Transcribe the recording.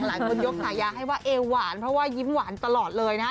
ยกฉายาให้ว่าเอหวานเพราะว่ายิ้มหวานตลอดเลยนะฮะ